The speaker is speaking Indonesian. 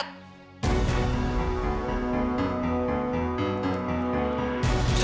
satu dua tiga